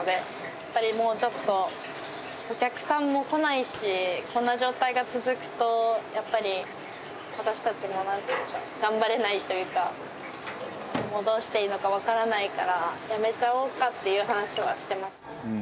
やっぱりもうちょっとお客さんも来ないしこんな状態が続くとやっぱり私たちも頑張れないというかどうしていいのかわからないからやめちゃおうかっていう話はしてました。